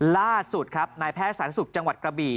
ล่าสุดครับนายแพทย์สันสุขจังหวัดกระบี่